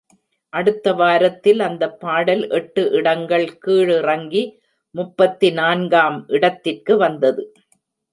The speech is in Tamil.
அடுத்த வாரத்தில் அந்த பாடல் எட்டு இடங்கள் கீழிறங்கி முப்பத்தி நான்காம் இடத்திற்கு வந்தது.